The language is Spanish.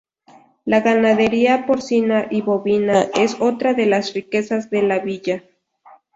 La ganadería porcina y bobina es otra de las riquezas de la Villa.